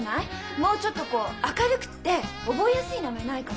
もうちょっとこう明るくって覚えやすい名前ないかな？